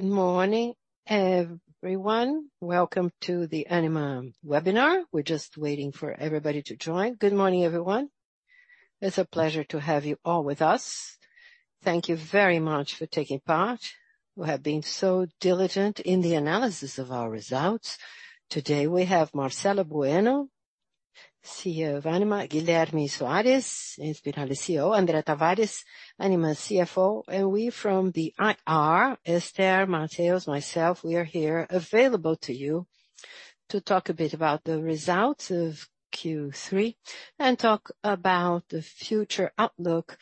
Good morning, everyone. Welcome to the Ânima webinar. We're just waiting for everybody to join. Good morning, everyone. It's a pleasure to have you all with us. Thank you very much for taking part. We have been so diligent in the analysis of our results. Today, we have Marcelo Bueno, CEO of Ânima. Guilherme Soarez, Inspirali CEO. André Tavares, Ânima CFO. And we from the IR, Esther Matos, myself. We are here available to you to talk a bit about the results of Q3 and talk about the future outlook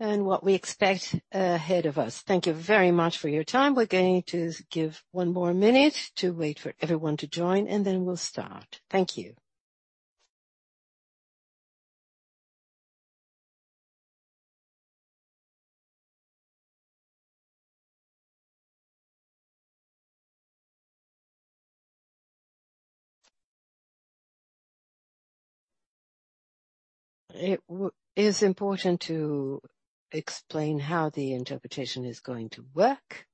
and what we expect ahead of us. Thank you very much for your time. We're going to give one more minute to wait for everyone to join, and then we'll start. Thank you. It is important to explain how the interpretation is going to work.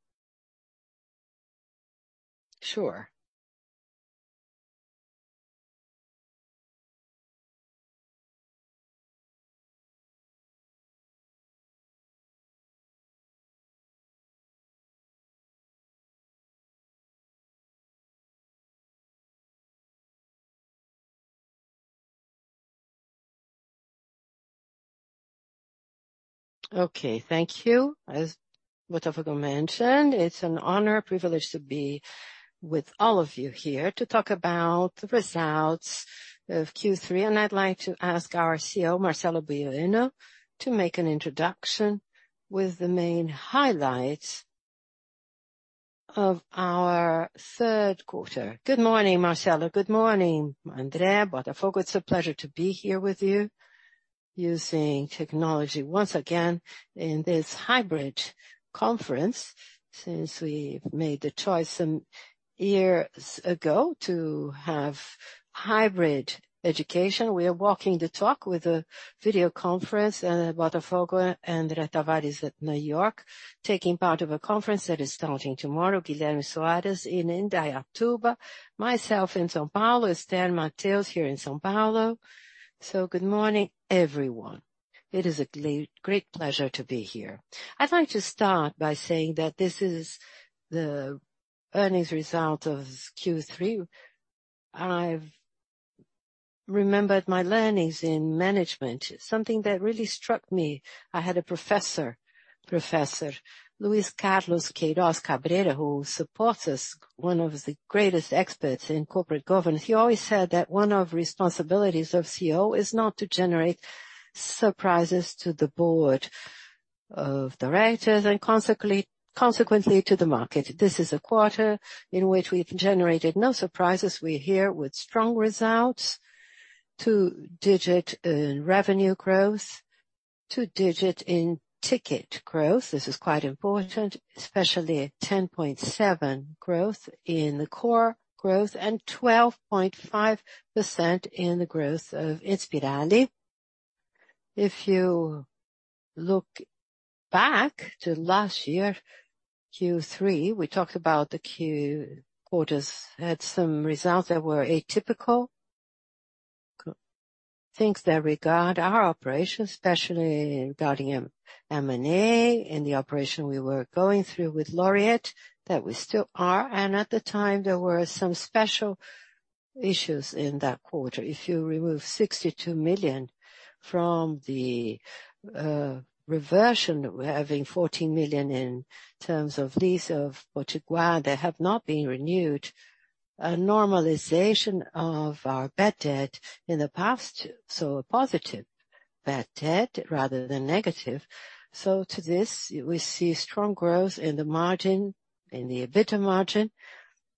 Sure. Okay, thank you. As Botafogo mentioned, it's an honor, a privilege to be with all of you here to talk about the results of Q3. I'd like to ask our CEO, Marcelo Bueno, to make an introduction with the main highlights of our third quarter. Good morning, Marcelo. Good morning, André, Botafogo. It's a pleasure to be here with you using technology once again in this hybrid conference. Since we've made the choice some years ago to have hybrid education, we are walking the talk with a video conference. Botafogo and André Tavares in New York, taking part in a conference that is starting tomorrow. Guilherme Soarez in Indaiatuba, myself in São Paulo. Esther Matos here in São Paulo. Good morning, everyone. It is a great pleasure to be here. I'd like to start by saying that this is the earnings result of Q3. I've remembered my learnings in management. Something that really struck me. I had a professor, Professor Luiz Carlos de Queiroz Cabrera, who supports us, one of the greatest experts in corporate governance. He always said that one of responsibilities of CEO is not to generate surprises to the board of directors and consequently to the market. This is a quarter in which we've generated no surprises. We're here with strong results. Two-digit revenue growth, two-digit ticket growth. This is quite important, especially 10.7% growth in the Core growth and 12.5% in the growth of Inspirali. If you look back to last year, Q3, we talked about the quarters had some results that were atypical. Things that regard our operations, especially regarding M&A and the operation we were going through with Laureate, that we still are. At the time, there were some special issues in that quarter. If you remove 62 million from the reversion, we're having 14 million in terms of lease of Potiguar that have not been renewed. A normalization of our bad debt in the past. A positive bad debt rather than negative. To this, we see strong growth in the margin, in the EBITDA margin.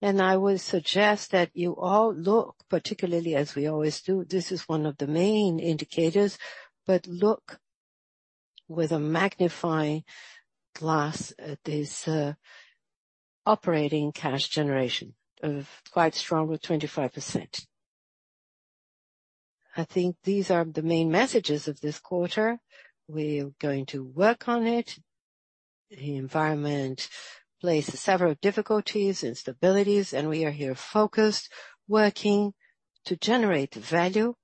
I would suggest that you all look particularly as we always do, this is one of the main indicators. But look with a magnifying glass at this operating cash generation of quite strong with 25%. I think these are the main messages of this quarter. We're going to work on it. The environment places several difficulties, instabilities, and we are here focused, working to generate value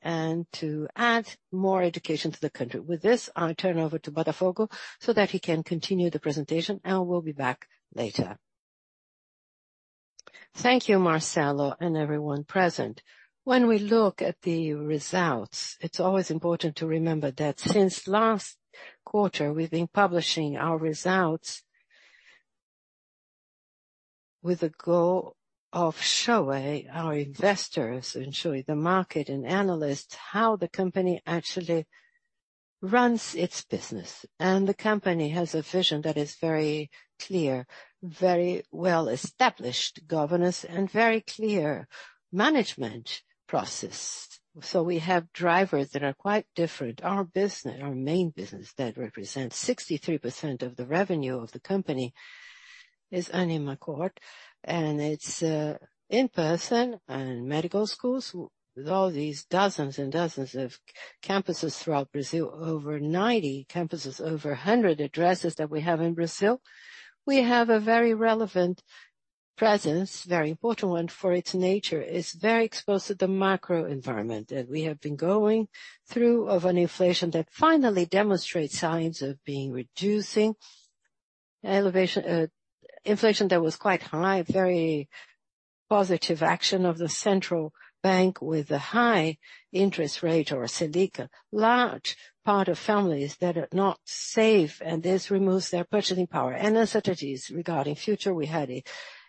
and to add more education to the country. With this, I turn over to Botafogo so that he can continue the presentation, and we'll be back later. Thank you, Marcelo, and everyone present. When we look at the results, it's always important to remember that since last quarter, we've been publishing our results with the goal of showing our investors and showing the market and analysts how the company actually runs its business. The company has a vision that is very clear, very well-established governance and very clear management process. We have drivers that are quite different. Our main business that represents 63% of the revenue of the company is Ânima Core, and it's in-person and medical schools. With all these dozens and dozens of campuses throughout Brazil, over 90 campuses, over 100 addresses that we have in Brazil, we have a very relevant presence, very important one for its nature. It's very exposed to the macro environment that we have been going through, of an inflation that finally demonstrates signs of being reducing. Inflation that was quite high, very positive action of the central bank with a high interest rate or Selic. Large part of families that are not safe, and this removes their purchasing power and uncertainties regarding future. We had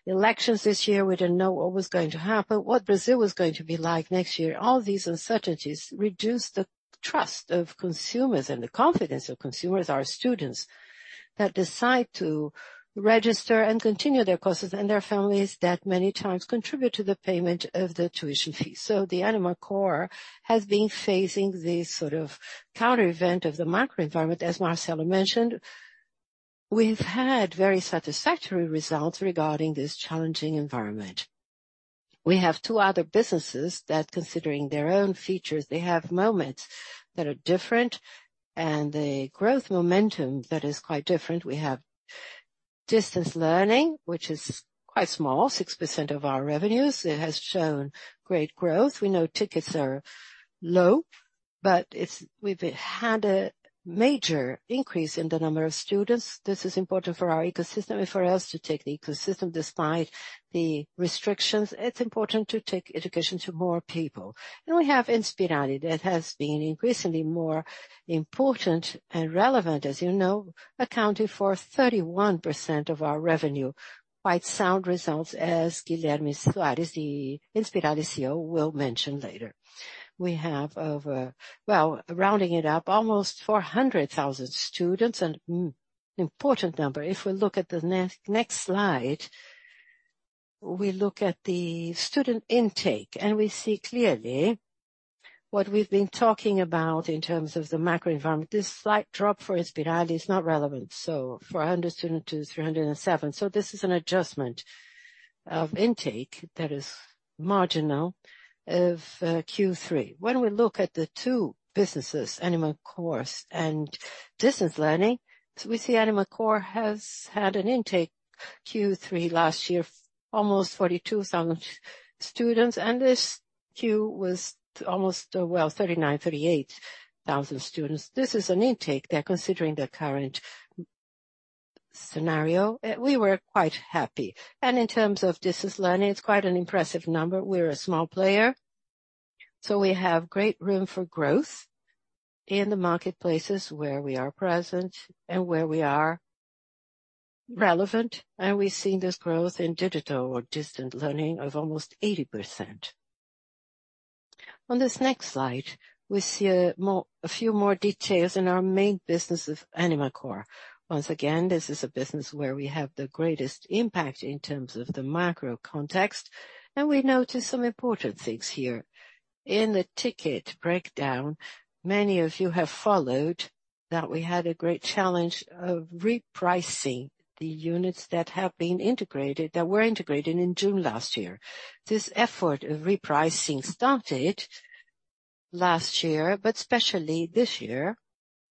elections this year. We didn't know what was going to happen, what Brazil was going to be like next year. All these uncertainties reduce the trust of consumers and the confidence of consumers, our students that decide to register and continue their courses and their families that many times contribute to the payment of the tuition fee. The Ânima Core has been facing this sort of counter event of the microenvironment, as Marcelo mentioned. We've had very satisfactory results regarding this challenging environment. We have two other businesses that, considering their own features, they have moments that are different and a growth momentum that is quite different. We have distance learning, which is quite small, 6% of our revenues. It has shown great growth. We know tickets are low, but we've had a major increase in the number of students. This is important for our ecosystem and for us to take the ecosystem despite the restrictions, it's important to take education to more people. We have Inspirali that has been increasingly more important and relevant, as you know, accounting for 31% of our revenue. Quite sound results, as Guilherme Soarez, the Inspirali CEO, will mention later. We have over, well, rounding it up almost 400,000 students, an important number. If we look at the next slide, we look at the student intake, and we see clearly what we've been talking about in terms of the macro environment. This slight drop for Inspirali is not relevant. Four hundred students to 307. This is an adjustment of intake that is marginal of Q3. When we look at the two businesses, Ânima Core and Distance Learning, we see Ânima Core has had an intake Q3 last year, almost 42,000 students. This Q was almost, well, 39,000, 38,000 students. This is an intake that considering the current scenario, we were quite happy. In terms of distance learning, it's quite an impressive number. We're a small player, so we have great room for growth in the marketplaces where we are present and where we are relevant. We've seen this growth in digital or distance learning of almost 80%. On this next slide, we see a few more details in our main business of Ânima Core. Once again, this is a business where we have the greatest impact in terms of the macro context, and we notice some important things here. In the ticket breakdown, many of you have followed that we had a great challenge of repricing the units that have been integrated, that were integrated in June last year. This effort of repricing started last year, but especially this year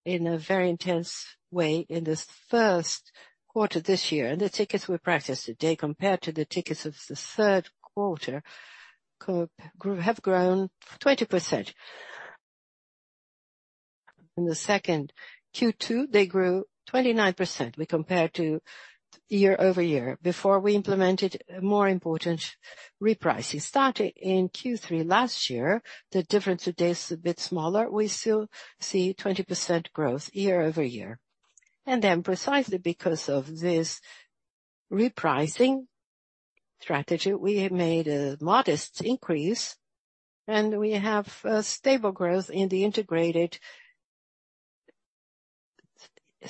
in a very intense way in the first quarter this year. The tickets we priced today compared to the tickets of the third quarter have grown 20%. In the second, Q2, they grew 29%. We compared to year-over-year before we implemented more important repricing. Starting in Q3 last year, the difference today is a bit smaller. We still see 20% growth year-over-year. Precisely because of this repricing strategy, we have made a modest increase, and we have stable growth in the integrated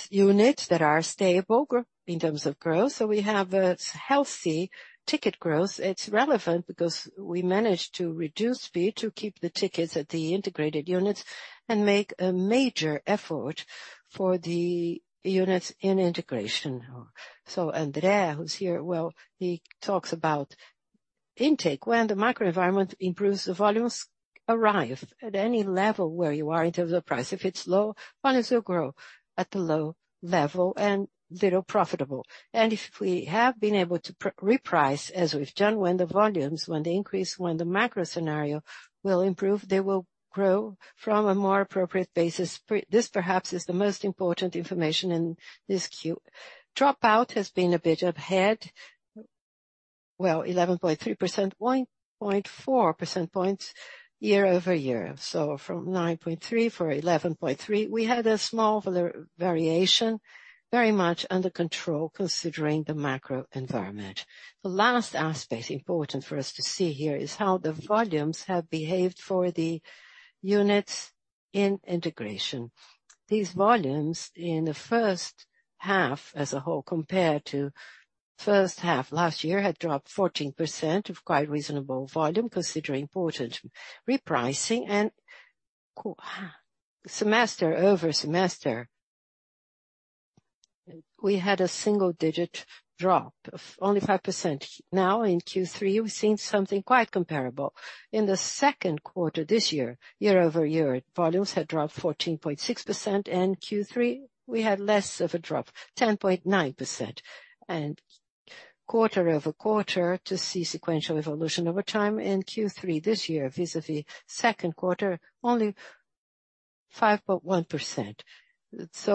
units that are stable in terms of growth. We have a healthy ticket growth. It's relevant because we managed to reduce fee to keep the tickets at the integrated units and make a major effort for the units in integration. André, who's here, well, he talks about intake. When the macro environment improves, the volumes arrive at any level where you are in terms of price. If it's low, volumes will grow at the low level and less profitable. If we have been able to reprice, as we've done when the volumes, when they increase, when the macro scenario will improve, they will grow from a more appropriate basis. This perhaps is the most important information in this queue. Dropout has been a bit ahead. Well, 11.3%, 1.4 percentage points year-over-year. So from 9.3% to 11.3%. We had a small variation, very much under control considering the macro environment. The last aspect important for us to see here is how the volumes have behaved for the units in integration. These volumes in the first half as a whole compared to first half last year, had dropped 14% of quite reasonable volume considering important repricing and, semester over semester. We had a single-digit drop of only 5%. Now in Q3, we're seeing something quite comparable. In the second quarter this year-over-year, volumes had dropped 14.6%. In Q3, we had less of a drop, 10.9%. Quarter-over-quarter to see sequential evolution over time. In Q3 this year, vis-à-vis second quarter, only 5.1%.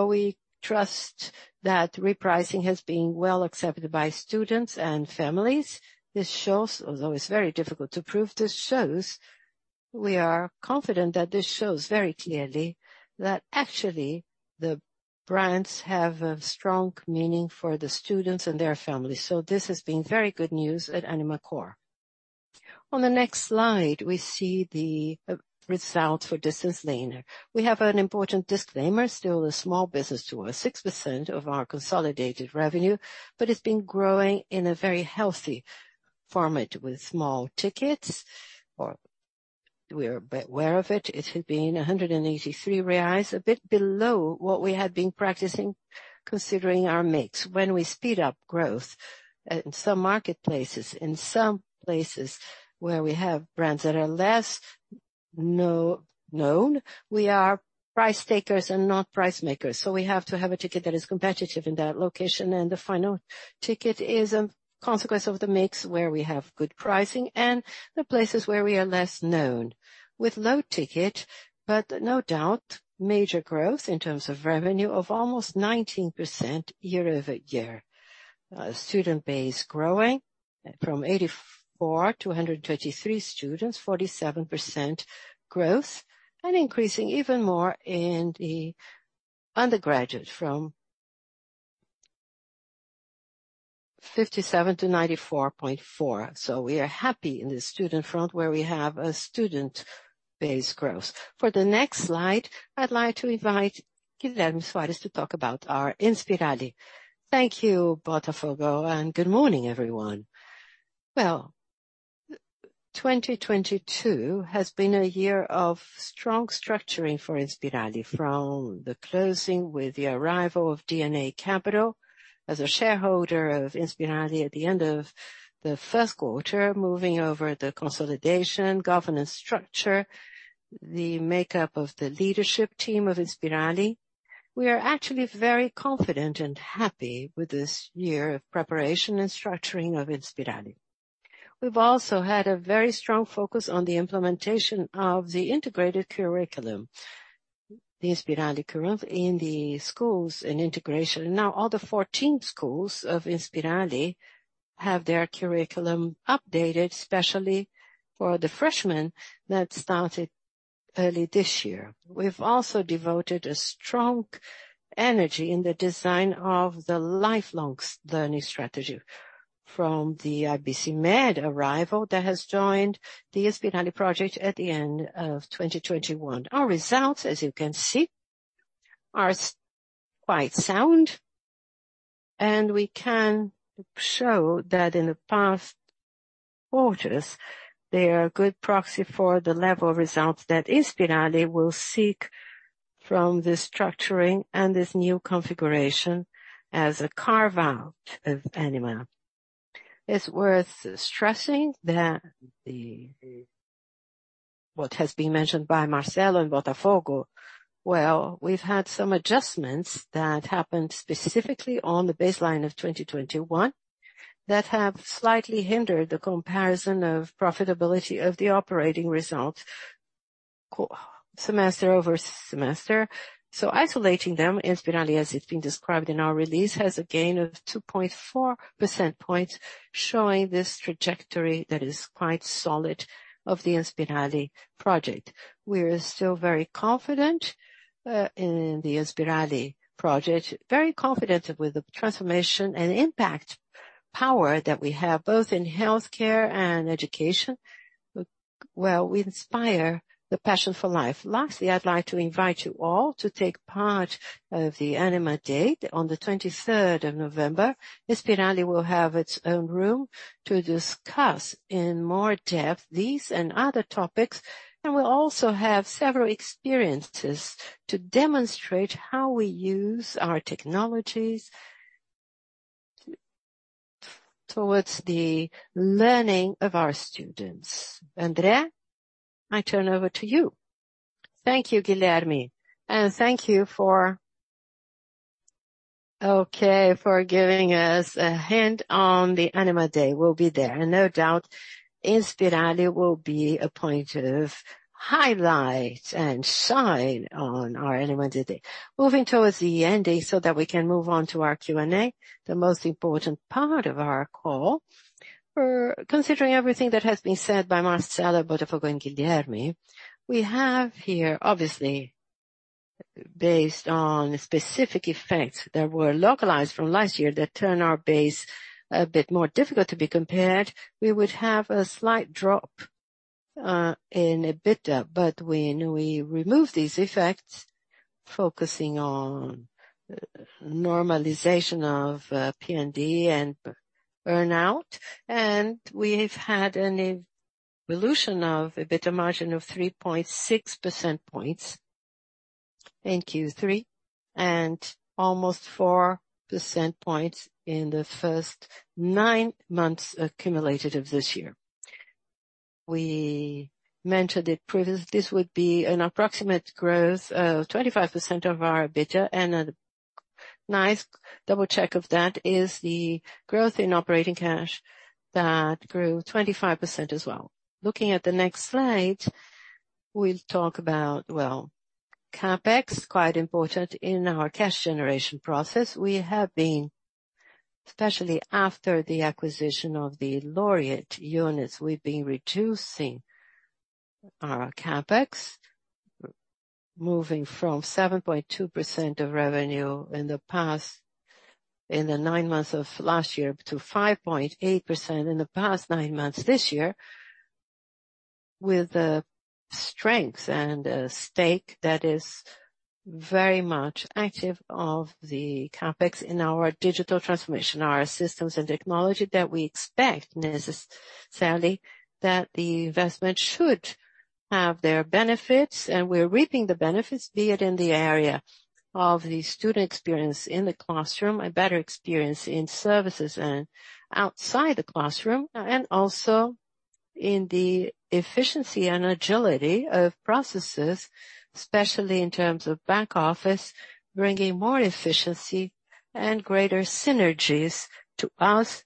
We trust that repricing has been well accepted by students and families. This shows, although it's very difficult to prove. We are confident that this shows very clearly that actually the brands have a strong meaning for the students and their families. This has been very good news at Ânima Core. On the next slide, we see the results for Distance Learning. We have an important disclaimer. Still a small business to us, 6% of our consolidated revenue, but it's been growing in a very healthy format with small tickets. We're aware of it. It had been 183 reais, a bit below what we had been practicing considering our mix. When we speed up growth in some marketplaces, in some places where we have brands that are less known, we are price takers and not price makers. We have to have a ticket that is competitive in that location. The final ticket is a consequence of the mix where we have good pricing and the places where we are less known. With low ticket, but no doubt major growth in terms of revenue of almost 19% year-over-year. Student base growing from 84 to 133 students, 47% growth, and increasing even more in the undergraduate from 57 to 94.4. We are happy in the student front where we have a student base growth. For the next slide, I'd like to invite Guilherme Soarez to talk about our Inspirali. Thank you, Botafogo, and good morning, everyone. Well, 2022 has been a year of strong structuring for Inspirali. From the closing with the arrival of DNA Capital as a shareholder of Inspirali at the end of the first quarter, moving over the consolidation, governance structure, the makeup of the leadership team of Inspirali. We are actually very confident and happy with this year of preparation and structuring of Inspirali. We've also had a very strong focus on the implementation of the integrated curriculum, the Inspirali curriculum in the schools and integration. Now all the 14 schools of Inspirali have their curriculum updated, especially for the freshmen that started early this year. We've also devoted a strong energy in the design of the lifelong learning strategy from the IBCMED arrival that has joined the Inspirali project at the end of 2021. Our results, as you can see, are quite sound, and we can show that in the past quarters, they are a good proxy for the level of results that Inspirali will seek from this structuring and this new configuration as a carve out of Ânima. It's worth stressing that the, what has been mentioned by Marcelo and Botafogo, well, we've had some adjustments that happened specifically on the baseline of 2021 that have slightly hindered the comparison of profitability of the operating results semester over semester. Isolating them, Inspirali, as it's been described in our release, has a gain of 2.4 percentage points, showing this trajectory that is quite solid of the Inspirali project. We're still very confident in the Inspirali project. Very confident with the transformation and impact power that we have both in healthcare and education. We inspire the passion for life. Lastly, I'd like to invite you all to take part of the Ânima Day on the 23rd of November. Inspirali will have its own room to discuss in more depth these and other topics. We'll also have several experiences to demonstrate how we use our technologies towards the learning of our students. André, I turn over to you. Thank you, Guilherme. Thank you for giving us a hand on the Ânima Day. We'll be there. No doubt, Inspirali will be a point of highlight and shine on our Ânima Day. Moving towards the end so that we can move on to our Q&A, the most important part of our call. Considering everything that has been said by Marcelo, Botafogo, and Guilherme, we have here, obviously, based on specific effects that were localized from last year that turn our base a bit more difficult to be compared, we would have a slight drop in EBITDA. When we remove these effects, focusing on normalization of PDD and bad debt, we've had an improvement of EBITDA margin of 3.6 percentage points in Q3, and almost 4 percentage points in the first nine months accumulated of this year. We mentioned it previously, this would be an approximate growth of 25% of our EBITDA, and a nice double check of that is the growth in operating cash that grew 25% as well. Looking at the next slide, we'll talk about, well, CapEx, quite important in our cash generation process. We have been, especially after the acquisition of the Laureate units, we've been reducing our CapEx, moving from 7.2% of revenue in the past, in the nine months of last year, to 5.8% in the past nine months this year. With a strength and a stake that is very much active of the CapEx in our digital transformation, our systems and technology that we expect necessarily that the investment should have their benefits. We're reaping the benefits, be it in the area of the student experience in the classroom, a better experience in services and outside the classroom, and also in the efficiency and agility of processes, especially in terms of back office, bringing more efficiency and greater synergies to us.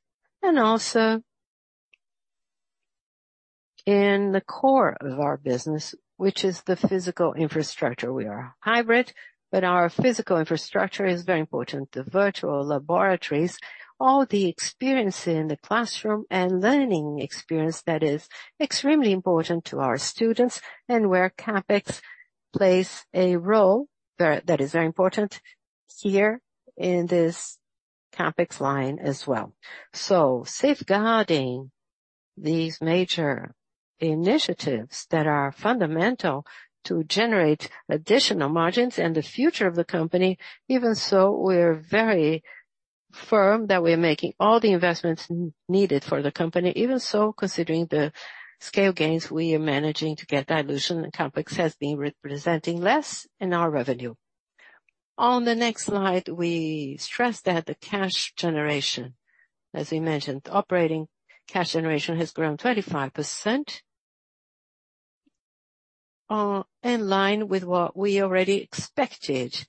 In the core of our business, which is the physical infrastructure. We are hybrid, but our physical infrastructure is very important. The virtual laboratories, all the experience in the classroom and learning experience that is extremely important to our students and where CapEx plays a role that is very important here in this CapEx line as well. Safeguarding these major initiatives that are fundamental to generate additional margins in the future of the company, even so, we're very firm that we're making all the investments needed for the company. Even so, considering the scale gains we are managing to get dilution and CapEx has been representing less in our revenue. On the next slide, we stress that the cash generation, as we mentioned, operating cash generation has grown 25%. In line with what we already expected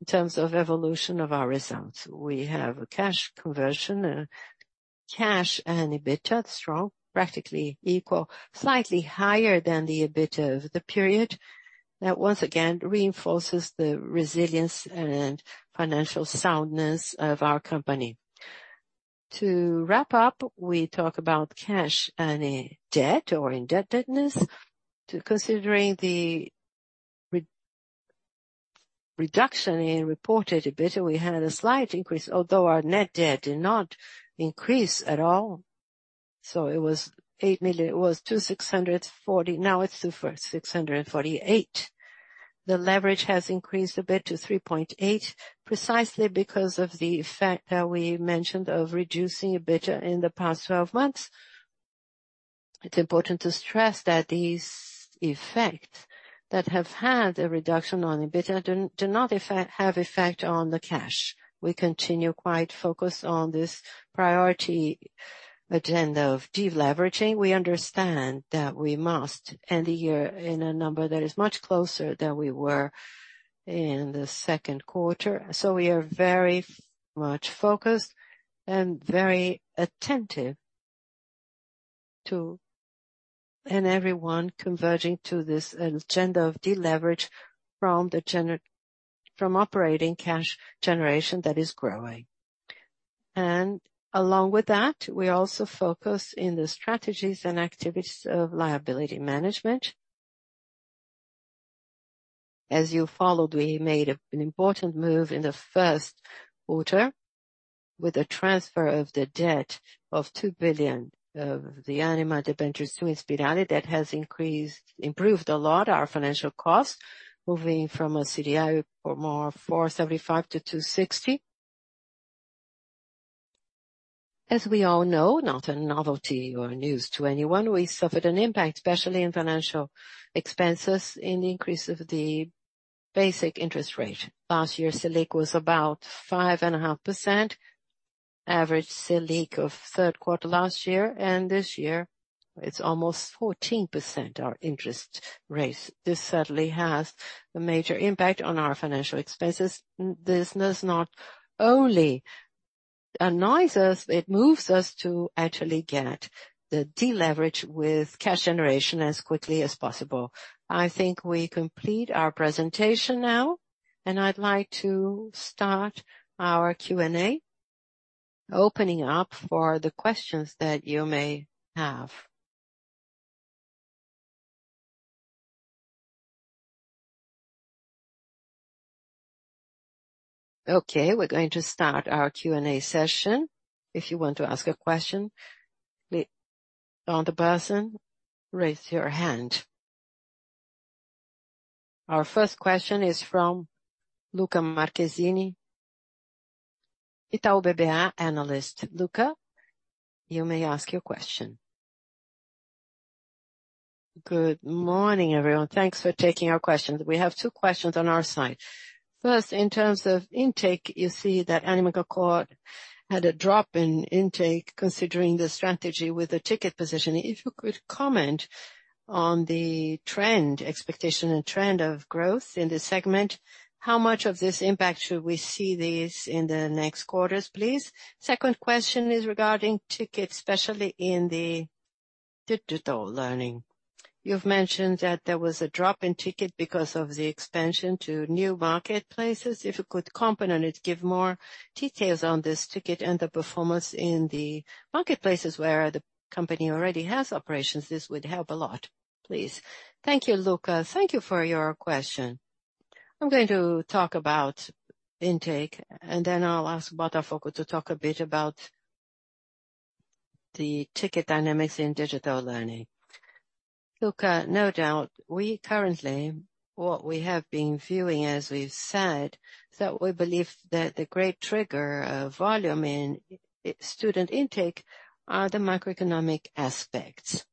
in terms of evolution of our results. We have a cash conversion, cash and EBITDA strong, practically equal, slightly higher than the EBITDA of the period. That once again reinforces the resilience and financial soundness of our company. To wrap up, we talk about cash and debt or indebtedness. Considering the reduction in reported EBITDA, we had a slight increase, although our net debt did not increase at all. It was 260 million, now it's 268 million. The leverage has increased a bit to 3.8, precisely because of the effect that we mentioned of reducing EBITDA in the past 12 months. It's important to stress that these effects that have had a reduction on EBITDA do not have effect on the cash. We continue quite focused on this priority agenda of deleveraging. We understand that we must end the year in a number that is much closer than we were in the second quarter. We are very much focused and very attentive. Everyone converging to this agenda of deleverage from operating cash generation that is growing. Along with that, we also focus in the strategies and activities of liability management. As you followed, we made an important move in the first quarter with a transfer of the debt of 2 billion of the Ânima debentures to Inspirali. That has increased, improved a lot our financial costs, moving from a CDI or more 475 to 260. As we all know, not a novelty or news to anyone, we suffered an impact, especially in financial expenses, in the increase of the basic interest rate. Last year, Selic was about 5.5%, average Selic of third quarter last year. This year it's almost 14%, our interest rates. This certainly has a major impact on our financial expenses. This does not only annoys us, it moves us to actually get the deleverage with cash generation as quickly as possible. I think we complete our presentation now, and I'd like to start our Q&A. Opening up for the questions that you may have. Okay, we're going to start our Q&A session. If you want to ask a question, please press on the button, raise your hand. Our first question is from Luca Marchesini, Itaú BBA analyst. Luca, you may ask your question. Good morning, everyone. Thanks for taking our questions. We have two questions on our side. First, in terms of intake, you see that Ânima Core had a drop in intake considering the strategy with the ticket position. If you could comment on the trend, expectation and trend of growth in this segment, how much of this impact should we see this in the next quarters, please? Second question is regarding tickets, especially in the digital learning. You've mentioned that there was a drop in ticket because of the expansion to new marketplaces. If you could comment on it, give more details on this ticket and the performance in the marketplaces where the company already has operations, this would help a lot, please. Thank you, Luca. Thank you for your question. I'm going to talk about intake, and then I'll ask Botafogo to talk a bit about the ticket dynamics in digital learning. Luca, no doubt we currently, what we have been viewing as we've said, that we believe that the great trigger of volume in student intake are the macroeconomic aspects.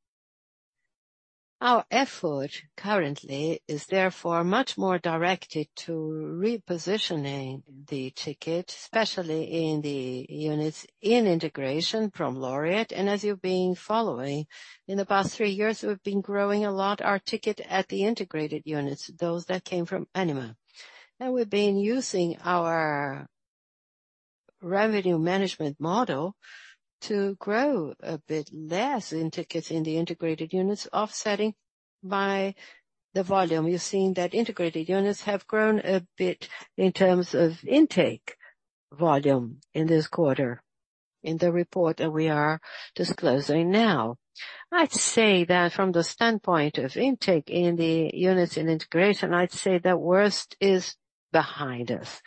Our effort currently is therefore much more directed to repositioning the ticket, especially in the units in integration from Laureate. As you've been following, in the past three years, we've been growing a lot our ticket at the integrated units, those that came from Ânima. We've been using our revenue management model to grow a bit less in tickets in the integrated units, offsetting by the volume. You're seeing that integrated units have grown a bit in terms of intake volume in this quarter in the report that we are disclosing now. I'd say that from the standpoint of intake in the units in integration, I'd say the worst is behind us.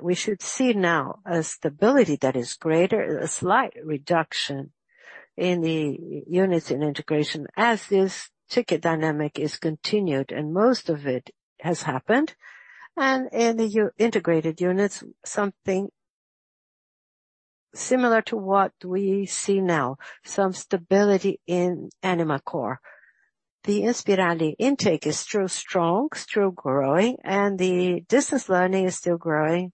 We should see now a stability that is greater, a slight reduction in the units in integration as this ticket dynamic is continued, and most of it has happened. In the non-integrated units, something similar to what we see now, some stability in Ânima Core. The Inspirali intake is still strong, still growing, and the distance learning is still growing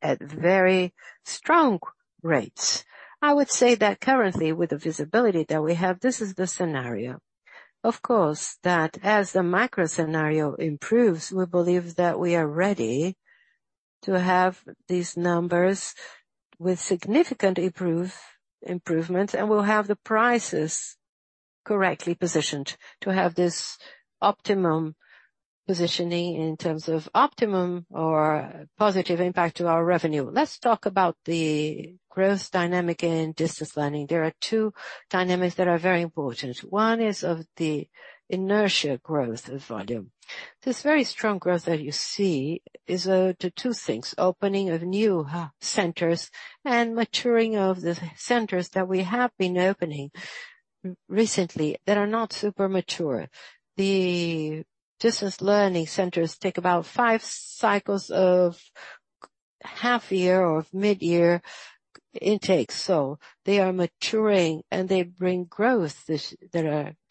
at very strong rates. I would say that currently with the visibility that we have, this is the scenario. Of course, that as the macro-scenario improves, we believe that we are ready to have these numbers with significant improvements, and we'll have the prices correctly positioned to have this optimum positioning in terms of optimum or positive impact to our revenue. Let's talk about the growth dynamic in distance learning. There are two dynamics that are very important. One is of the inertia growth of volume. This very strong growth that you see is owed to two things, opening of new centers and maturing of the centers that we have been opening recently that are not super mature. The distance learning centers take about five cycles of half-year or mid-year intake. They are maturing and they bring growth this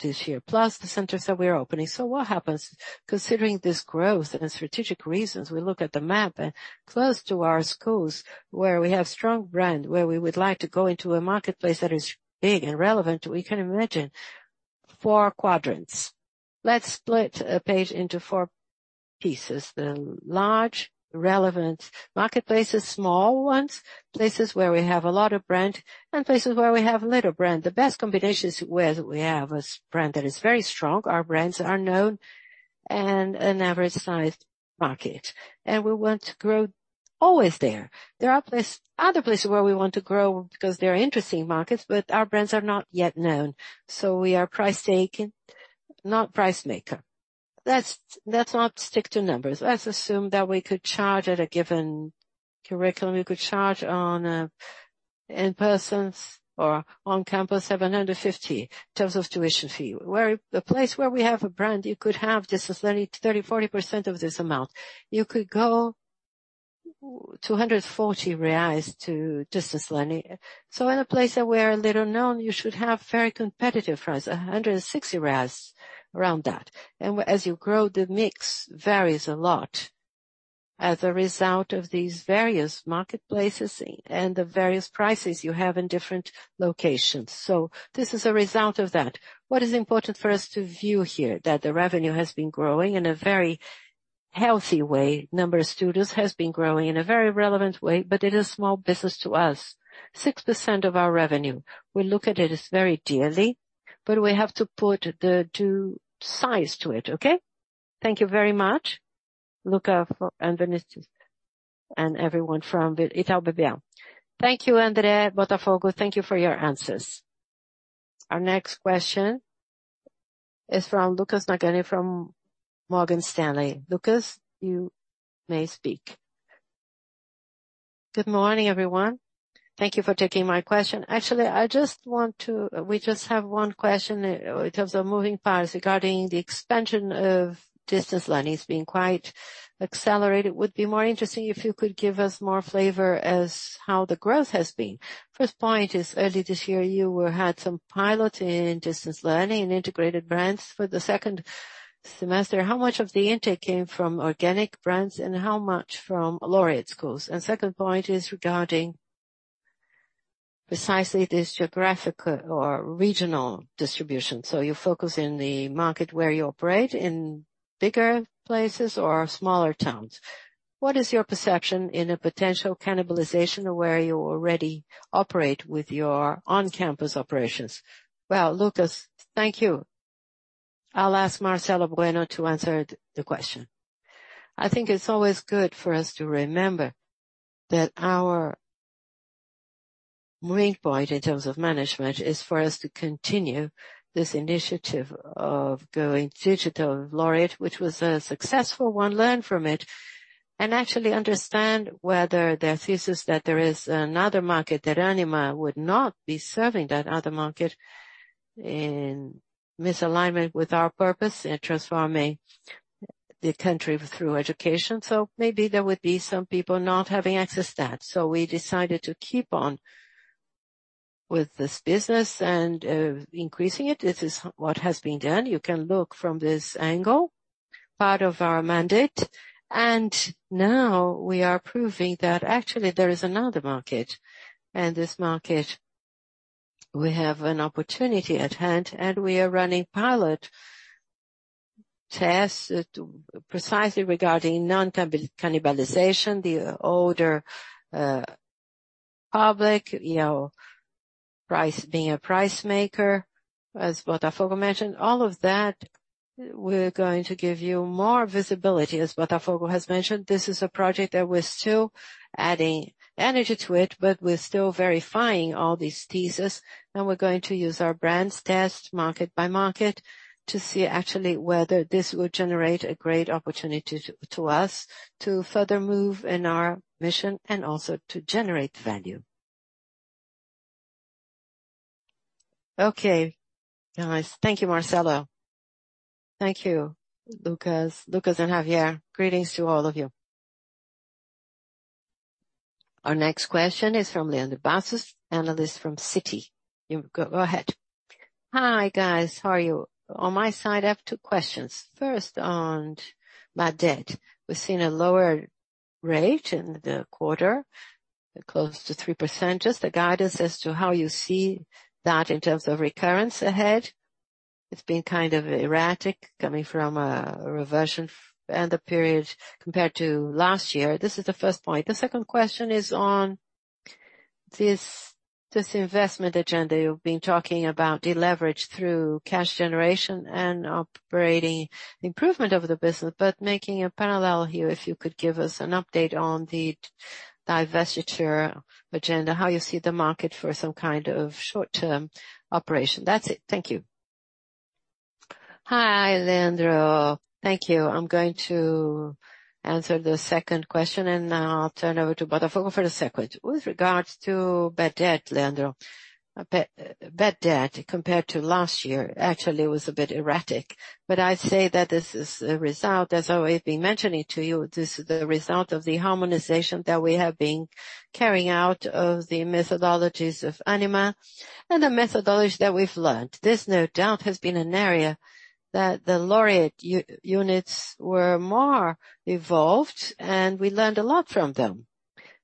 year, plus the centers that we are opening. What happens considering this growth and strategic reasons, we look at the map and close to our schools where we have strong brand, where we would like to go into a marketplace that is big and relevant, we can imagine four quadrants. Let's split a page into four pieces. The large relevant marketplaces, small ones, places where we have a lot of brand, and places where we have little brand. The best combination is where we have a brand that is very strong. Our brands are known and an average-sized market. We want to grow always there. There are place, other places where we want to grow because they're interesting markets, but our brands are not yet known. We are price taker, not price maker. Let's not stick to numbers. Let's assume that we could charge at a given curriculum. We could charge on in-person or on-campus 750 in terms of tuition fee. Where a place where we have a brand, you could have distance learning 30%, 40% of this amount. You could go 240 reais to distance learning. In a place that we're a little known, you should have very competitive price, 160 reais around that. As you grow, the mix varies a lot as a result of these various marketplaces and the various prices you have in different locations. This is a result of that. What is important for us to view here, that the revenue has been growing in a very healthy way. Number of students has been growing in a very relevant way, but it is small business to us. 6% of our revenue. We look at it as very dearly, but we have to put the due size to it, okay? Thank you very much, Luca and the investors and everyone from Itaú BBA. Thank you, André and Botafogo. Thank you for your answers. Our next question is from Lucas Nagano from Morgan Stanley. Lucas, you may speak. Good morning, everyone. Thank you for taking my question. Actually, we just have one question in terms of moving parts regarding the expansion of distance learning is being quite accelerated. Would be more interesting if you could give us more flavor as how the growth has been. First point is, early this year you had some pilot in distance learning and integrated brands for the second semester. How much of the intake came from organic brands and how much from Laureate schools? Second point is regarding precisely this geographic or regional distribution. You focus in the market where you operate in bigger places or smaller towns. What is your perception in a potential cannibalization of where you already operate with your on-campus operations? Well, Lucas, thank you. I'll ask Marcelo Bueno to answer the question. I think it's always good for us to remember that our main point in terms of management is for us to continue this initiative of going digital with Laureate, which was a successful one, learn from it and actually understand whether the thesis that there is another market, that Ânima would not be serving that other market in misalignment with our purpose in transforming the country through education. Maybe there would be some people not having access to that. We decided to keep on with this business and increasing it. This is what has been done. You can look from this angle, part of our mandate, and now we are proving that actually there is another market. This market, we have an opportunity at hand, and we are running pilot tests precisely regarding non-cannibalization, the older public, you know, price being a price maker, as Botafogo mentioned, all of that. We're going to give you more visibility. As Botafogo has mentioned, this is a project that we're still adding energy to it, but we're still verifying all these theses. We're going to use our brands test market by market to see actually whether this will generate a great opportunity to us to further move in our mission and also to generate value. Okay, guys. Thank you, Marcelo. Thank you, Lucas. Lucas and Javier, greetings to all of you. Our next question is from Leandro Bastos, analyst from Citi. You go ahead. Hi, guys. How are you? On my side, I have two questions. First on bad debt. We've seen a lower rate in the quarter, close to 3%. The guidance as to how you see that in terms of recurrence ahead. It's been kind of erratic coming from a reversion and the period compared to last year. This is the first point. The second question is on this investment agenda you've been talking about, deleverage through cash generation and operating improvement of the business, but making a parallel here, if you could give us an update on the divestiture agenda, how you see the market for some kind of short-term operation. That's it. Thank you. Hi, Leandro. Thank you. I'm going to answer the second question, and I'll turn over to Botafogo for the second. With regards to bad debt, Leandro. Bad debt compared to last year actually was a bit erratic, but I'd say that this is a result, as I've been mentioning to you, this is the result of the harmonization that we have been carrying out of the methodologies of Ânima and the methodology that we've learned. This, no doubt, has been an area that the Laureate units were more evolved, and we learned a lot from them.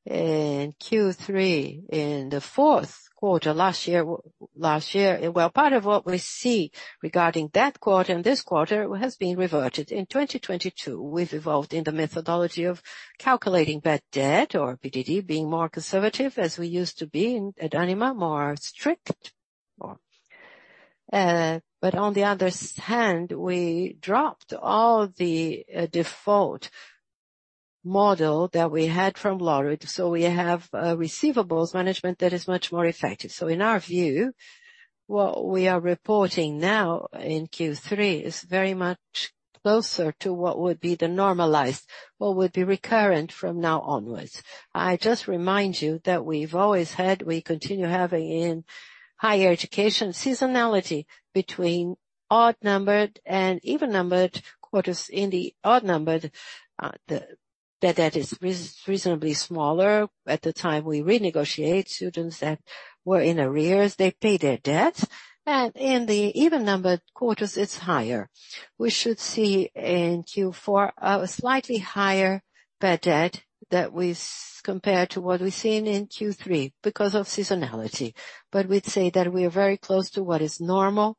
In Q3, in the fourth quarter last year. Well, part of what we see regarding that quarter and this quarter has been reverted. In 2022, we've evolved in the methodology of calculating bad debt, or PDD, being more conservative as we used to be at Ânima, more strict. On the other hand, we dropped all the default model that we had from Laureate, so we have a receivables management that is much more effective. In our view, what we are reporting now in Q3 is very much closer to what would be the normalized, what would be recurrent from now onwards. I just remind you that we've always had, we continue having in higher education seasonality between odd-numbered and even-numbered quarters. In the odd-numbered, the bad debt is reasonably smaller. At the time we renegotiate students that were in arrears, they pay their debts, and in the even-numbered quarters, it's higher. We should see in Q4 a slightly higher bad debt compared to what we've seen in Q3 because of seasonality. We'd say that we are very close to what is normal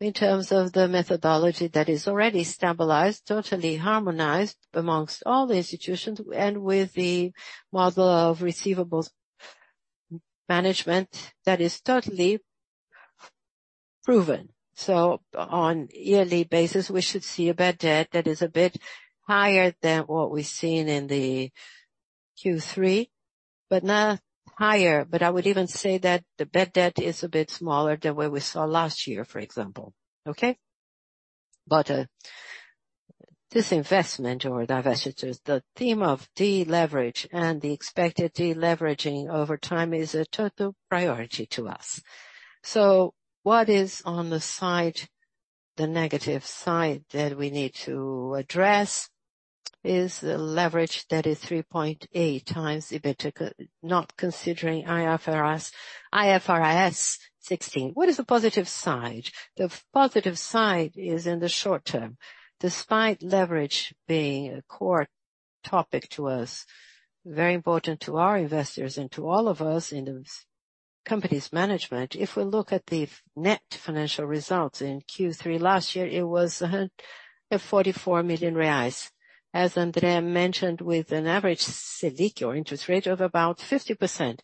in terms of the methodology that is already stabilized, totally harmonized among all the institutions and with the model of receivables management that is totally proven. On yearly basis, we should see a bad debt that is a bit higher than what we've seen in the Q3, but not higher. I would even say that the bad debt is a bit smaller than what we saw last year, for example. Okay? This investment or divestitures, the theme of deleverage and the expected deleveraging over time is a total priority to us. What is on the side, the negative side that we need to address is the leverage that is 3.8x EBITDA, not considering IFRS 16. What is the positive side? The positive side is in the short term. Despite leverage being a core topic to us, very important to our investors and to all of us in the company's management. If we look at the net financial results in Q3 last year, it was 44 million reais. As André mentioned, with an average Selic or interest rate of about 5%,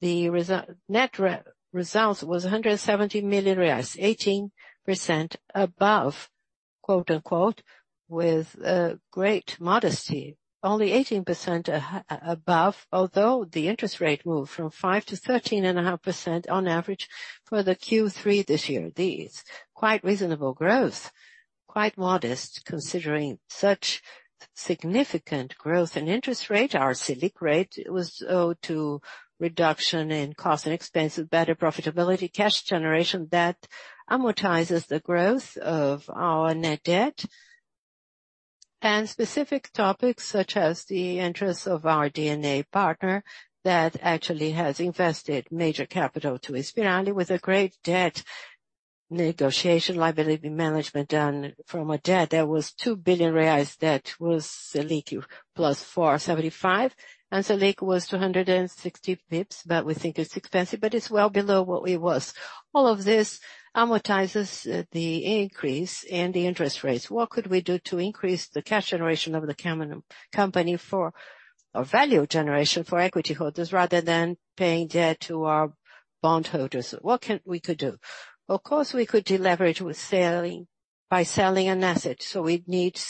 the net results was 170 million reais, 18% above, quote-unquote, with great modesty, only 18% above, although the interest rate moved from 5% to 13.5% on average for the Q3 this year. This quite reasonable growth, quite modest considering such significant growth in interest rate. Our Selic rate was owed to reduction in cost and expense, with better profitability, cash generation that amortizes the growth of our net debt. Specific topics such as the interest of our DNA partner that actually has invested major capital to Inspirali with a great debt negotiation liability management done from a debt that was 2 billion reais, that was Selic +475, and Selic was 260 basis points. We think it's expensive, but it's well below what it was. All of this amortizes the increase in the interest rates. What could we do to increase the cash generation of the company for a value generation for equity holders rather than paying debt to our bondholders? What can we do? Of course, we could deleverage by selling an asset, so we'd need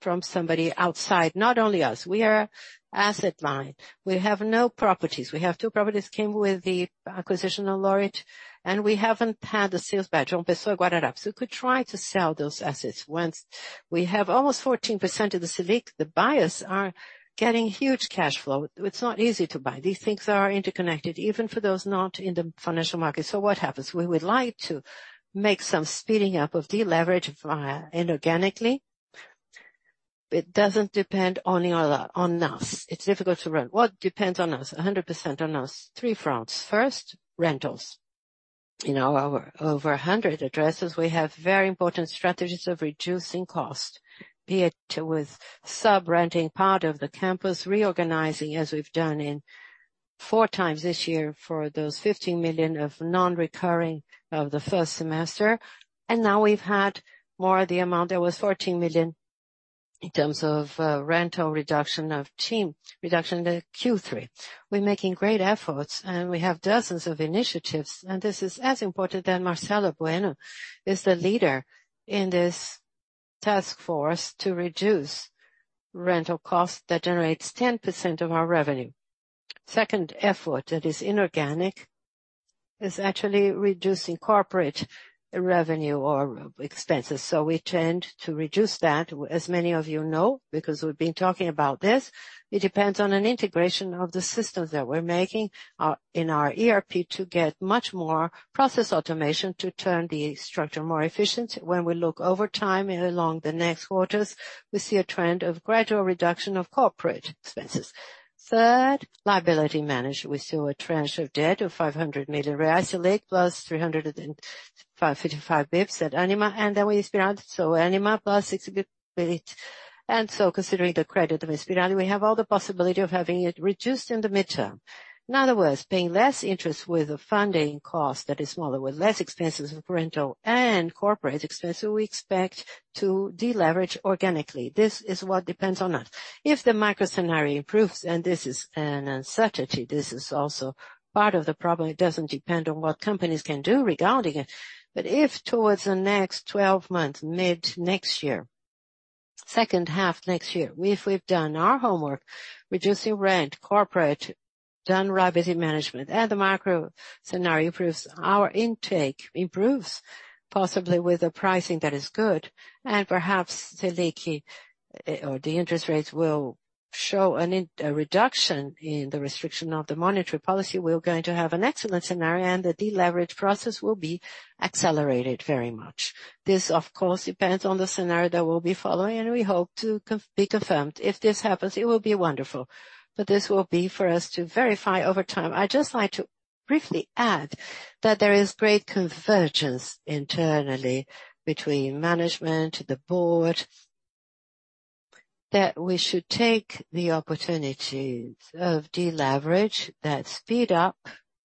from somebody outside, not only us. We are asset-light. We have no properties. We have two properties came with the acquisition of Laureate, and we haven't had a sales bid on Pessoa Guararapes. We could try to sell those assets once. We have almost 14% of the Selic. The buyers are getting huge cash flow. It's not easy to buy. These things are interconnected, even for those not in the financial market. What happens? We would like to make some speeding up of deleverage via inorganically. It doesn't depend only on us. It's difficult to run. What depends on us, 100% on us? Three fronts. First, rentals. In our over 100 addresses, we have very important strategies of reducing cost, be it with sub-renting part of the campus, reorganizing as we've done in 4 times this year for those 15 million of non-recurring of the first semester. Now we've had more of the amount. There was 14 million in terms of rental reduction in the Q3. We're making great efforts, and we have dozens of initiatives, and this is as important that Marcelo Bueno is the leader in this task force to reduce rental costs that generates 10% of our revenue. Second effort that is inorganic is actually reducing corporate revenue or expenses. We tend to reduce that, as many of you know, because we've been talking about this. It depends on an integration of the systems that we're making in our ERP to get much more process automation to turn the structure more efficient. When we look over time and along the next quarters, we see a trend of gradual reduction of corporate expenses. Third, liability management. We see a tranche of debt of 500 million reais, Selic +355 basis points at Ânima, and then with Inspirali. Ânima +6 basis points. Considering the credit of Inspirali, we have all the possibility of having it reduced in the mid-term. In other words, paying less interest with a funding cost that is smaller, with less expenses of rental and corporate expense, we expect to deleverage organically. This is what depends on us. If the macro scenario improves, and this is an uncertainty, this is also part of the problem. It doesn't depend on what companies can do regarding it. If towards the next twelve months, mid next year, second half next year, if we've done our homework, reducing rent, corporate, done revenue management, and the macro scenario improves, our intake improves, possibly with a pricing that is good. Perhaps Selic or the interest rates will show a reduction in the restriction of the monetary policy. We're going to have an excellent scenario, and the deleverage process will be accelerated very much. This, of course, depends on the scenario that we'll be following, and we hope to be confirmed. If this happens, it will be wonderful, but this will be for us to verify over time. I'd just like to briefly add that there is great convergence internally between management, the board, that we should take the opportunities of deleverage that speed up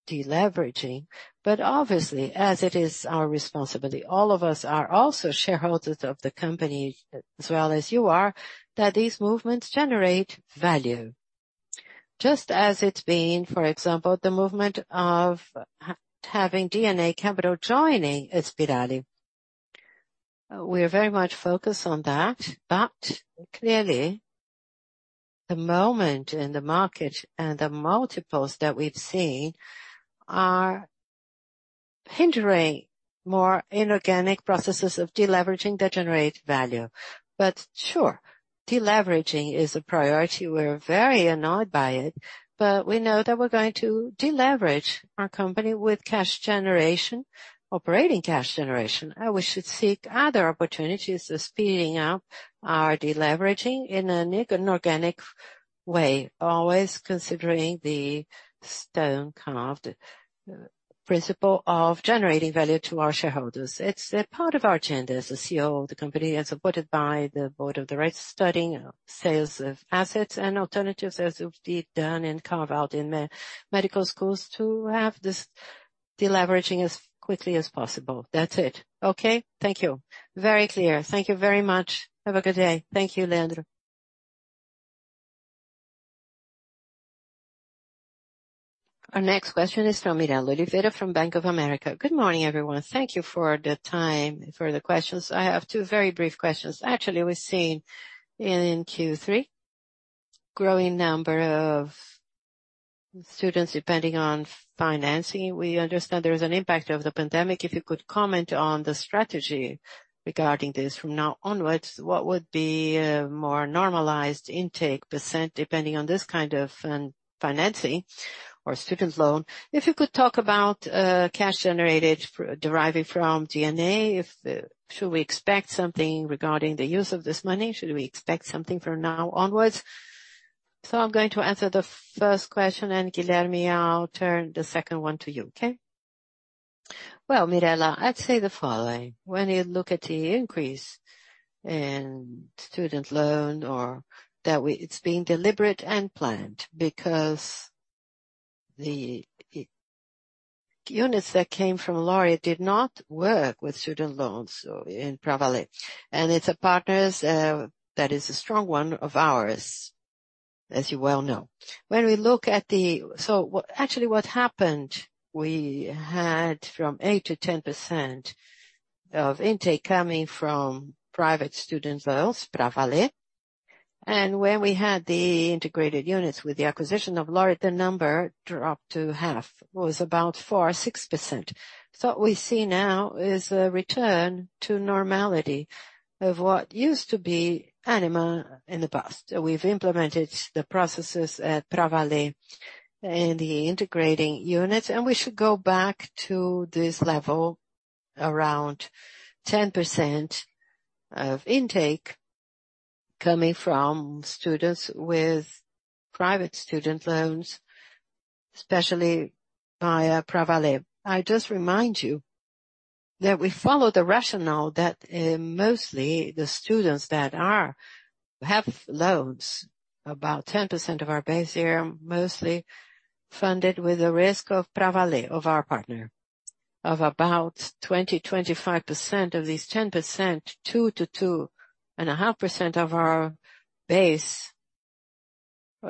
deleveraging. Obviously, as it is our responsibility, all of us are also shareholders of the company as well as you are, that these movements generate value. Just as it's been, for example, the movement of having DNA Capital joining Inspirali. We are very much focused on that, but clearly the moment in the market and the multiples that we've seen are hindering more inorganic processes of deleveraging that generate value. Sure, deleveraging is a priority. We're very annoyed by it, but we know that we're going to deleverage our company with cash generation, operating cash generation, and we should seek other opportunities of speeding up our deleveraging in an inorganic way. Always considering the carved-in-stone principle of generating value to our shareholders. It's a part of our agenda as a CEO of the company and supported by the board of directors, right, studying sales of assets and alternatives, as we've done in carve-out of non-medical schools, to have this deleveraging as quickly as possible. That's it. Okay, thank you. Very clear. Thank you very much. Have a good day. Thank you. Leandro. Our next question is from Mirela Oliveira from Bank of America. Good morning, everyone. Thank you for the time, for the questions. I have two very brief questions. Actually, we've seen in Q3 growing number of students depending on financing. We understand there is an impact of the pandemic. If you could comment on the strategy regarding this from now onwards, what would be a more normalized intake percent depending on this kind of financing or student loan? If you could talk about cash generated deriving from DNA. Should we expect something regarding the use of this money? Should we expect something from now onwards? I'm going to answer the first question, and Guilherme, I'll turn the second one to you. Okay. Well, Mirela, I'd say the following. When you look at the increase in student loans, it's being deliberate and planned because the units that came from Laureate did not work with student loans in Pravaler. It's a partner that is a strong one of ours, as you well know. When we look at actually what happened, we had from 8%-10% of intake coming from private student loans, Pravaler. When we had the integrated units with the acquisition of Laureate, the number dropped to half, was about 4% or 6%. What we see now is a return to normality of what used to be Ânima in the past. We've implemented the processes at Pravaler in the integrating unit, and we should go back to this level, around 10% of intake coming from students with private student loans, especially via Pravaler. I just remind you that we follow the rationale that mostly the students that have loans, about 10% of our base here, mostly funded with the risk of Pravaler of our partner of about 20%-25% of these 10%, 2%-2.5% of our base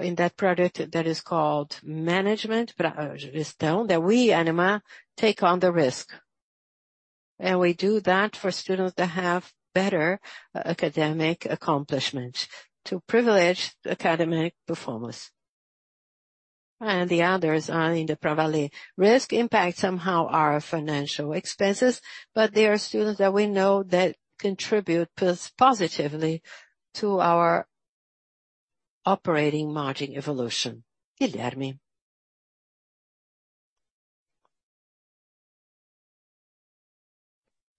in that product that is called Management Gestão, that we, Ânima, take on the risk. We do that for students that have better academic accomplishments to privilege academic performance. The others are in the Pravaler risk impact somehow our financial expenses. There are students that we know that contribute positively to our operating margin evolution. Guilherme.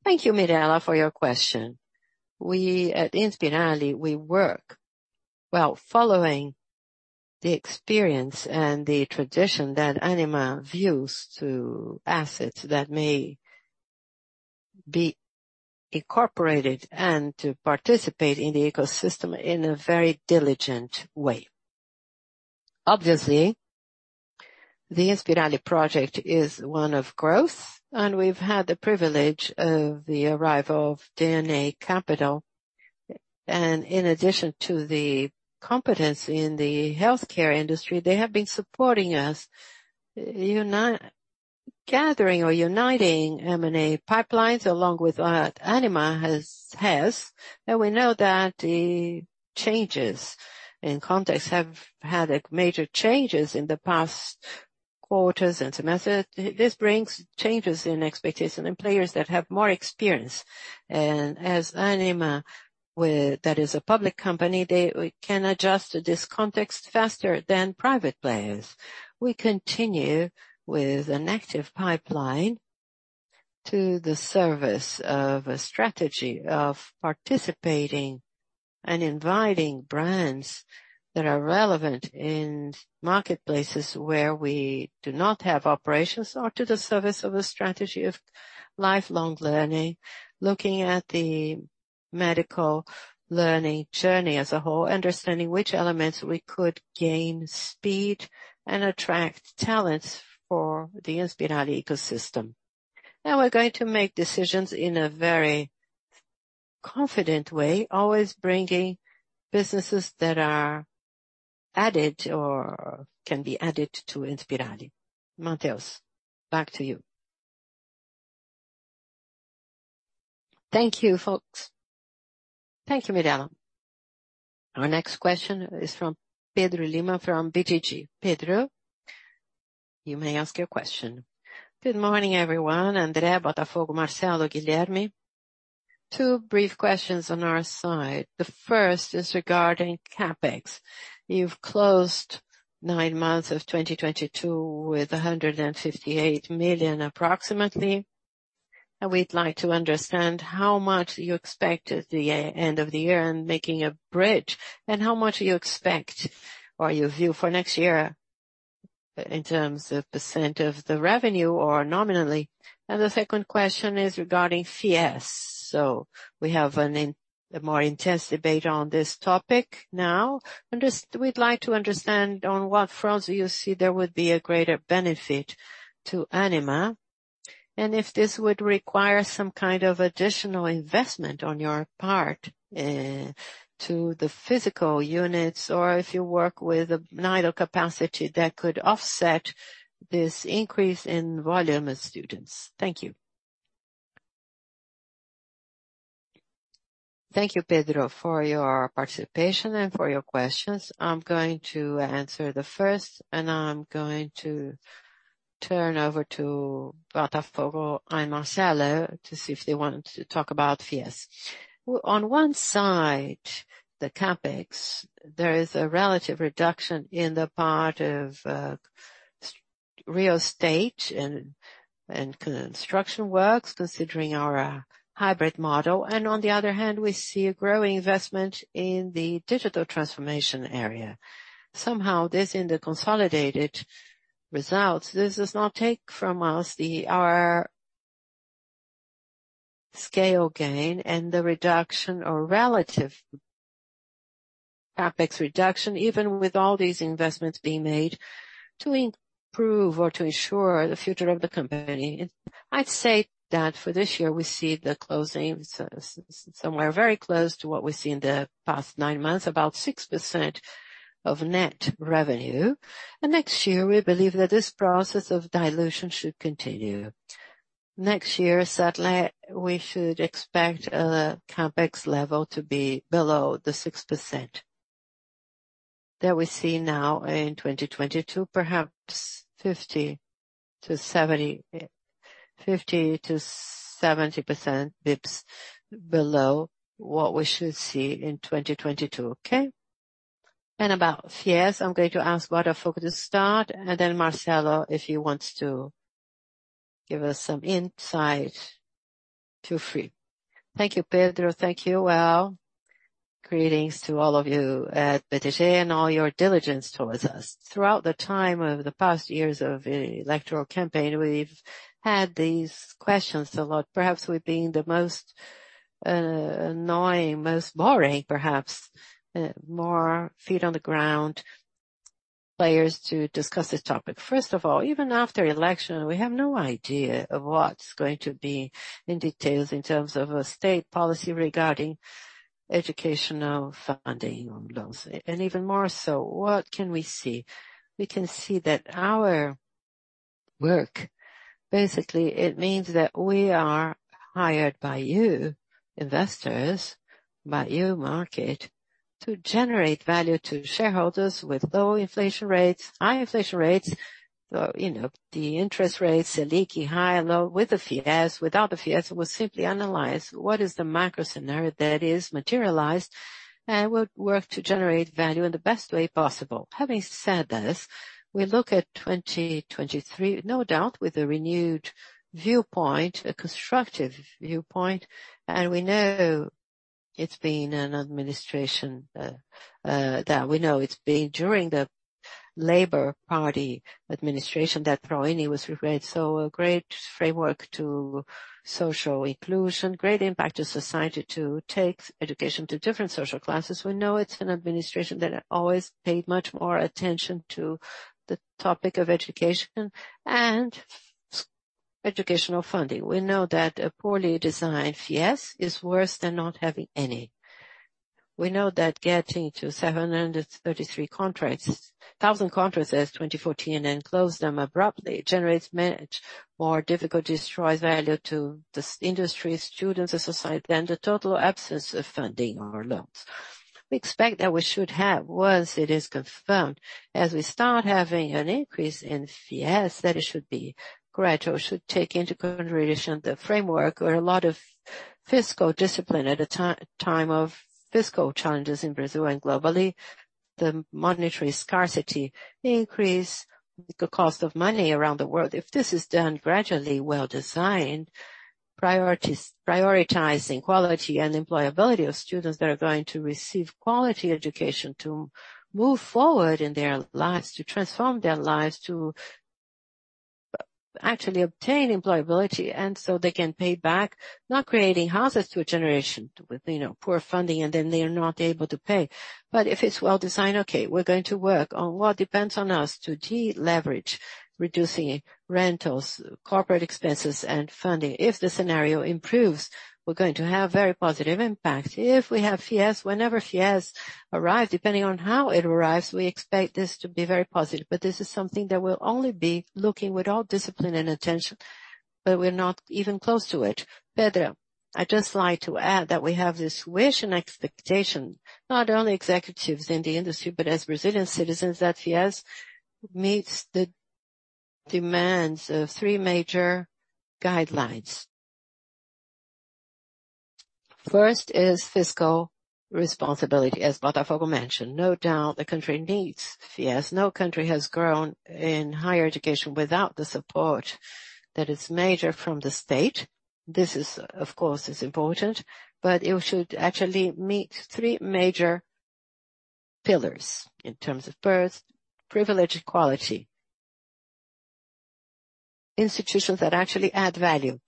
Thank you, Mirela, for your question. We at Inspirali, we work well following the experience and the tradition that Ânima views to assets that may be incorporated and to participate in the ecosystem in a very diligent way. Obviously, the Inspirali project is one of growth, and we've had the privilege of the arrival of DNA Capital. In addition to the competence in the healthcare industry, they have been supporting us in gathering or uniting M&A pipelines along with what Ânima has. We know that the changes in context have had major changes in the past quarters and semester. This brings changes in expectation in players that have more experience. As Ânima, that is a public company, they can adjust to this context faster than private players. We continue with an active pipeline to the service of a strategy of participating and inviting brands that are relevant in marketplaces where we do not have operations or to the service of a strategy of lifelong learning. Looking at the medical learning journey as a whole, understanding which elements we could gain speed and attract talents for the Inspirali ecosystem. Now we're going to make decisions in a very confident way, always bringing businesses that are added or can be added to Inspirali. Matos, back to you. Thank you, folks. Thank you, Mirela. Our next question is from Pedro Lima from BTG. Pedro, you may ask your question. Good morning, everyone. André, Botafogo, Marcelo, Guilherme. Two brief questions on our side. The first is regarding CapEx. You've closed nine months of 2022 with approximately 158 million. We'd like to understand how much you expect at the end of the year and making a bridge, and how much you expect or you view for next year in terms of % of the revenue or nominally. The second question is regarding FIES. We have a more intense debate on this topic now. We'd like to understand on what fronts you see there would be a greater benefit to Ânima, and if this would require some kind of additional investment on your part, to the physical units, or if you work with idle capacity that could offset this increase in volume of students. Thank you. Thank you, Pedro, for your participation and for your questions. I'm going to answer the first, and I'm going to turn over to Botafogo and Marcelo to see if they want to talk about FIES. On one side, the CapEx, there is a relative reduction in the part of real estate and construction works, considering our hybrid model. On the other hand, we see a growing investment in the digital transformation area. Somehow, this in the consolidated results, this does not take from us the our scale gain and the reduction or relative CapEx reduction, even with all these investments being made to improve or to ensure the future of the company. I'd say that for this year, we see the closing somewhere very close to what we see in the past nine months, about 6% of net revenue. Next year, we believe that this process of dilution should continue. Next year, certainly, we should expect a CapEx level to be below the 6% that we see now in 2022, perhaps 50-70 basis points below what we should see in 2022. Okay. About FIES, I'm going to ask Botafogo to start, and then Marcelo, if he wants to give us some insight, feel free. Thank you, Pedro. Thank you, Al. Greetings to all of you at BTG and all your diligence towards us. Throughout the time over the past years of electoral campaign, we've had these questions a lot, perhaps with being the most annoying, most boring, perhaps more feet on the ground players to discuss this topic. First of all, even after election, we have no idea of what's going to be in details in terms of a state policy regarding educational funding on loans. Even more so, what can we see? We can see that our work, basically, it means that we are hired by you, investors, by you, market, to generate value to shareholders with low inflation rates, high inflation rates, you know, the interest rates, like high and low with the FIES, without the FIES. We'll simply analyze what is the macro scenario that is materialized and would work to generate value in the best way possible. Having said this, we look at 2023, no doubt, with a renewed viewpoint, a constructive viewpoint, and we know it's been an administration that we know it's been during the Workers' Party administration that ProUni was created. A great framework to social inclusion, great impact to society to take education to different social classes. We know it's an administration that always paid much more attention to the topic of education and educational funding. We know that a poorly designed FIES is worse than not having any. We know that getting to 733,000 contracts in 2014 and close them abruptly generates much more difficulty, destroys value to the industry, students and society, and the total absence of funding or loans. We expect that we should have, once it is confirmed, as we start having an increase in FIES, that it should be gradual, should take into consideration the framework or a lot of fiscal discipline at a time of fiscal challenges in Brazil and globally, the monetary scarcity, the increase, the cost of money around the world. If this is done gradually, well-designed, prioritizing quality and employability of students that are going to receive quality education to move forward in their lives, to transform their lives, to actually obtain employability, and so they can pay back, not creating hazards to a generation with, you know, poor funding, and then they are not able to pay. If it's well-designed, okay, we're going to work on what depends on us to deleverage, reducing rentals, corporate expenses, and funding. If the scenario improves, we're going to have very positive impact. If we have FIES, whenever FIES arrives, depending on how it arrives, we expect this to be very positive. This is something that we'll only be looking with all discipline and attention. We're not even close to it. Pedro, I'd just like to add that we have this wish and expectation, not only executives in the industry, but as Brazilian citizens, that FIES meets the demands of three major guidelines. First is fiscal responsibility, as Botafogo mentioned. No doubt the country needs FIES. No country has grown in higher education without major support from the state. This is, of course, important, but it should actually meet three major pillars in terms of first, privileging equality. Institutions that actually add value.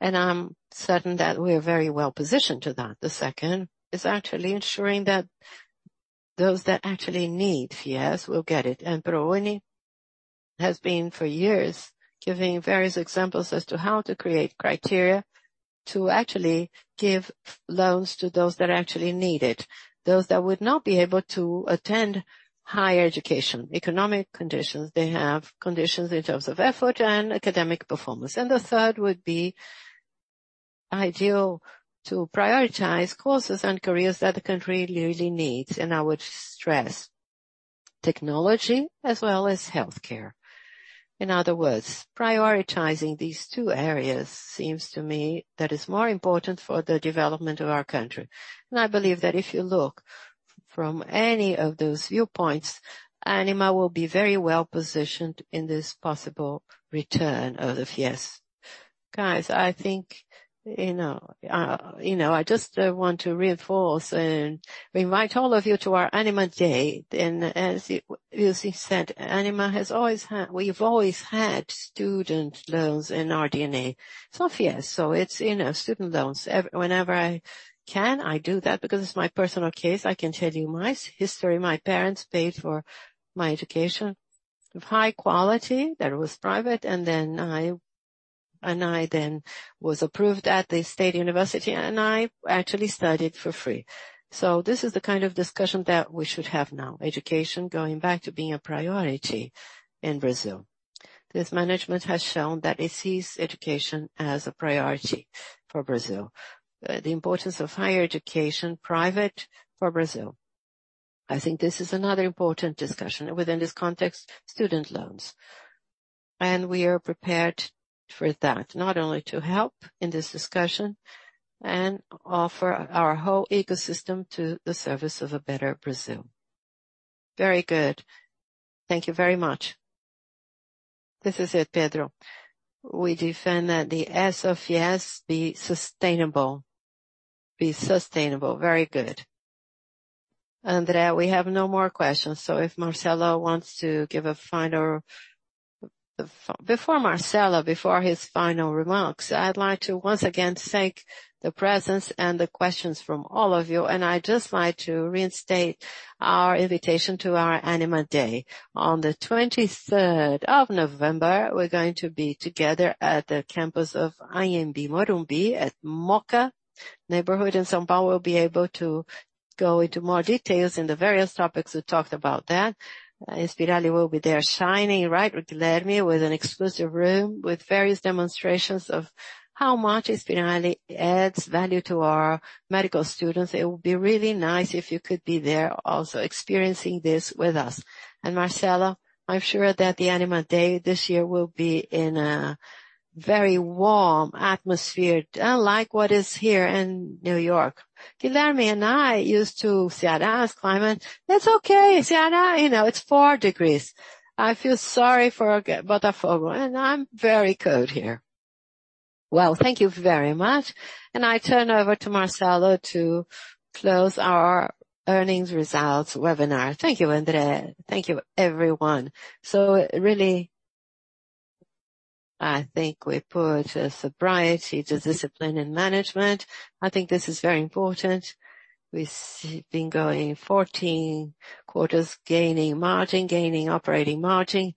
I'm certain that we're very well-positioned to that. The second is actually ensuring that those that actually need FIES will get it. ProUni has been for years giving various examples as to how to create criteria to actually give loans to those that actually need it. Those that would not be able to attend higher education. Economic conditions, they have conditions in terms of effort and academic performance. The third would be ideal to prioritize courses and careers that the country really needs, and I would stress technology as well as healthcare. In other words, prioritizing these two areas seems to me that is more important for the development of our country. I believe that if you look from any of those viewpoints, Ânima will be very well-positioned in this possible return of the FIES. Guys, I think, you know, I just want to reinforce and invite all of you to our Ânima Day. As you said, Ânima, we've always had student loans in our DNA. FIES. It's, you know, student loans. Whenever I can, I do that because it's my personal case. I can tell you my history. My parents paid for my education of high quality that was private, and then I was approved at the state university, and I actually studied for free. This is the kind of discussion that we should have now. Education going back to being a priority in Brazil. This management has shown that it sees education as a priority for Brazil. The importance of higher education, private for Brazil. I think this is another important discussion. Within this context, student loans. We are prepared for that, not only to help in this discussion and offer our whole ecosystem to the service of a better Brazil. Very good. Thank you very much. This is it, Pedro. We defend that the S of FIES be sustainable. Very good. André, we have no more questions, so if Marcelo wants to give a final. Before Marcelo, before his final remarks, I'd like to once again thank the presence and the questions from all of you, and I'd just like to reinstate our invitation to our Ânima Day. On the 23rd of November, we're going to be together at the campus of Anhembi Morumbi at Mooca neighborhood in São Paulo. We'll be able to go into more details in the various topics we talked about there. Inspirali will be there shining, right, Guilherme, with an exclusive room, with various demonstrations of how much Inspirali adds value to our medical students. It would be really nice if you could be there also experiencing this with us. Marcelo, I'm sure that the Ânima Day this year will be in a very warm atmosphere, unlike what is here in New York. Guilherme and I used to Ceará's climate. It's okay. Ceará, you know, it's 4 degrees. I feel sorry for Botafogo, and I'm very cold here. Well, thank you very much. I turn over to Marcelo to close our earnings release webinar. Thank you, André. Thank you, everyone. Really, I think we put a sobriety to discipline and management. I think this is very important. We've been going 14 quarters gaining margin, gaining operating margin.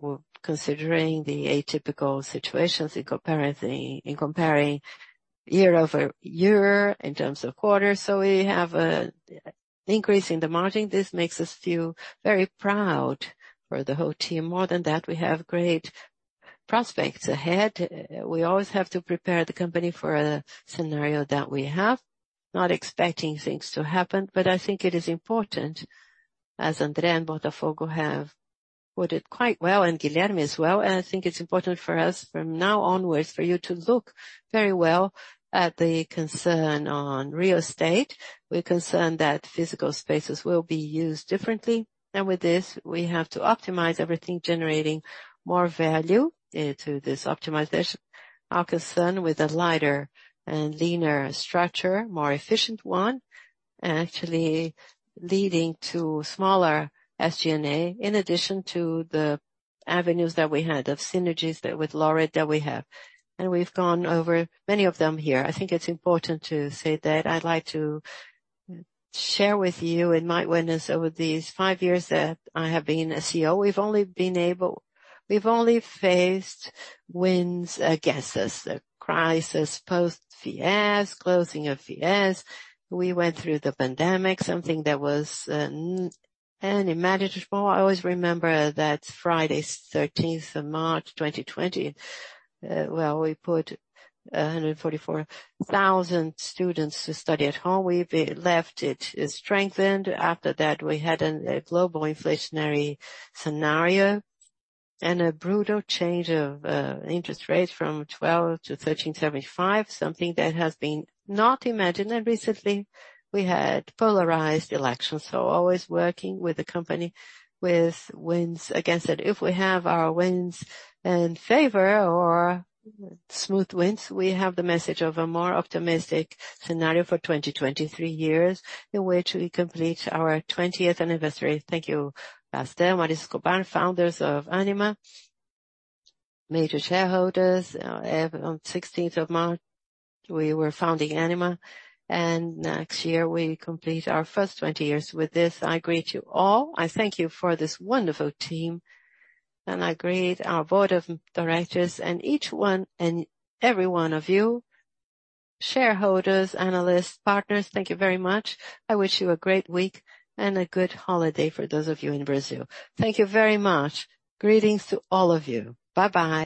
We're considering the atypical situations in comparing year-over-year in terms of quarters. We have an increase in the margin. This makes us feel very proud for the whole team. More than that, we have great prospects ahead. We always have to prepare the company for a scenario that we have. Not expecting things to happen, but I think it is important, as André, Botafogo have put it quite well, and Guilherme as well, and I think it's important for us from now onwards for you to look very well at the concern on real estate. We're concerned that physical spaces will be used differently. With this, we have to optimize everything, generating more value to this optimization. Our concern with a lighter and leaner structure, more efficient one, actually leading to smaller SG&A, in addition to the avenues that we had of synergies there with Laureate that we have. We've gone over many of them here. I think it's important to say that I'd like to share with you in my witness over these five years that I have been a CEO. We've only faced winds against us, the crisis, post-FIES, closing of FIES. We went through the pandemic, something that was unimaginable. I always remember that Friday, 13th of March 2020. We put 144,000 students to study at home. We've left it strengthened. After that, we had a global inflationary scenario and a brutal change of interest rates from 12% to 13.75%, something that has been not imagined. Recently we had polarized elections. Always working with the company with winds against it. If we have our winds in favor or smooth winds, we have the message of a more optimistic scenario for 2023 years in which we complete our twentieth anniversary. Thank you, Daniel Castanho, Maurício Escobar, founders of Ânima, major shareholders. On the sixteenth of March, we were founding Ânima, and next year we complete our first 20 years. With this, I greet you all. I thank you for this wonderful team, and I greet our board of directors and each one and every one of you, shareholders, analysts, partners. Thank you very much. I wish you a great week and a good holiday for those of you in Brazil. Thank you very much. Greetings to all of you. Bye-bye.